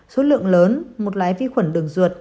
số lượng lớn một loại vi khuẩn đường ruột